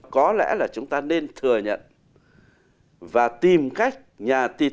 có lẽ là chúng ta nên thừa nhận và tìm cách nhà tỷ tư